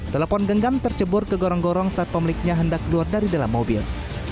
telepon genggam tercebur ke gorong gorong saat pemiliknya hendak keluar dari dalam mobil